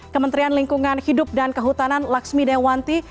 kementerian lingkungan hidup dan kehutanan laksmi dewanti